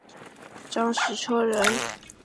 张时彻人。